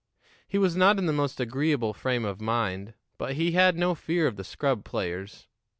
He was not in the most agreeable frame of mind, but he had no fear of the scrub players.